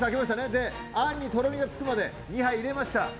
で、あんにとろみがつくまで、２杯入れました。